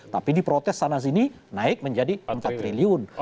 tapi di protes sana sini naik menjadi empat triliun